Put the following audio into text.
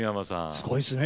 すごいですね。